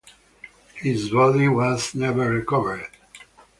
His body was never recovered.